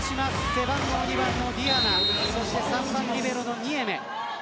背番号２番のディアナ３番リベロのニエメ。